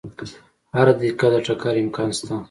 هره دقیقه د ټکر امکان شته.